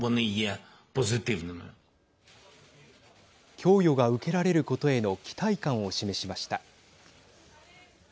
供与が受けられることへの期待感を示しました。